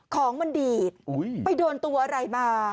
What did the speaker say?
ของมันดีดไปโดนตัวอะไรมา